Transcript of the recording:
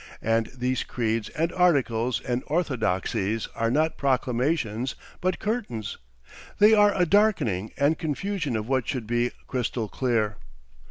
And these creeds and articles and orthodoxies are not proclamations but curtains, they are a darkening and confusion of what should be crystal clear.